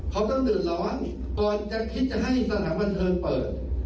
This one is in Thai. เขาต้องเดือดร้อนก่อนจะคิดจะให้สถานบันเทิงเปิด